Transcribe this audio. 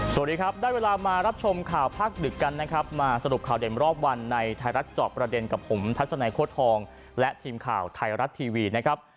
สวัสดีครับได้เวลามารับชมข่าวภาคดึกกันนะครับมาสรุปข่าวเด่นรอบวันในไทยรัฐจอบประเด็นกับผมทัศนัยโค้ดทองและทีมข่าวไทยรัฐทีวีนะครับ